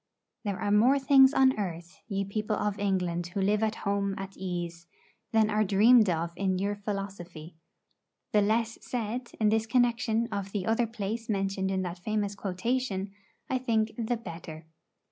There are more things on earth, ye people of England who live at home at ease, than are dreamed of in your philosophy. The less said, in this connection, of the other place mentioned in that famous quotation, I think the better.